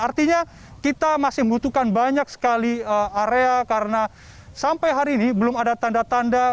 artinya kita masih membutuhkan banyak sekali area karena sampai hari ini belum ada tanda tanda